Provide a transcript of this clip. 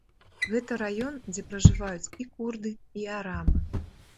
Гэта раён, дзе пражываюць і курды, і арабы.